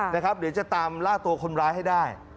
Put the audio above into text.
หรือจะตามล่าตัวคนร้ายให้ได้